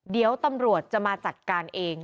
เดี๋ยวตำรวจจะมาจัดการเอง